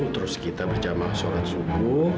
terus kita berjamah sholat suku